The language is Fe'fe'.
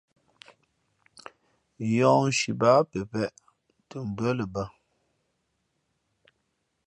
Yǒhnshi báá pəpēʼ tα mbʉά lα bᾱ.